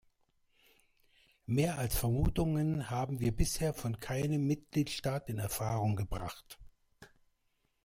Mehr als Vermutungen haben wir bisher von keinem Mitgliedstaat in Erfahrung gebracht.